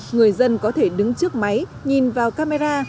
người dân có thể đứng trước máy nhìn vào camera